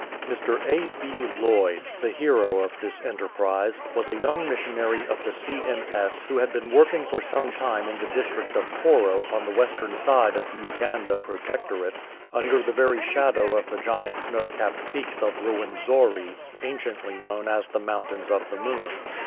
Mr. A. B. Lloyd, the hero of this enterprise, was a young missionary of the C.M.S. who had been working for some time in the district of Toro on the western side of the Uganda Protectorate, under the very shadow of the giant snow capped peaks of Ruwenzori, anciently known as the Mountains of the Moon.